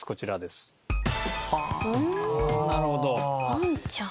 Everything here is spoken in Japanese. ワンちゃん。